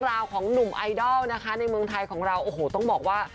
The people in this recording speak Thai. ราวของหนุ่มไอดอลนะคะในเมืองไทยของเราโอ้โหต้องบอกว่า